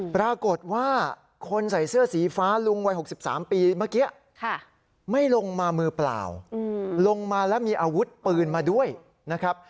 ปรากฏว่าคนใส่เสื้อสีฟ้าลุงวัย๖๓ปีเมื่อกี้ไม่ลงมามือเปล่าลงมาแล้วมีอาวุธปืนมาด้วยนะครับ